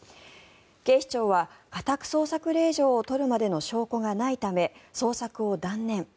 警視庁は、家宅捜索令状を取るまでの証拠がないため捜索を断念。